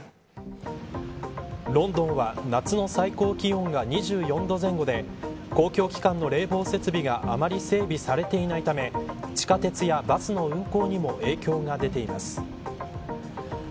ロンドンは夏の最高気温が２４度前後で公共機関の冷房設備があまり整備されていないため地下鉄やバスの運行にも影響が出ています。